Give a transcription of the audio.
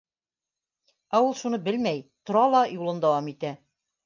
Ә ул шуны белмәй, тора ла, юлын дауам итә.